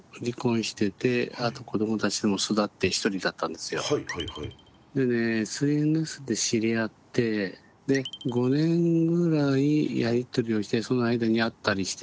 でねＳＮＳで知り合ってで５年ぐらいやり取りをしてその間に会ったりしてて。